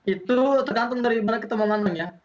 itu tergantung dari mana kita memandangnya